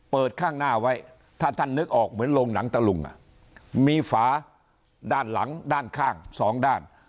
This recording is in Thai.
ข้างหน้าไว้ถ้าท่านนึกออกเหมือนโรงหนังตะลุงมีฝาด้านหลังด้านข้างสองด้าน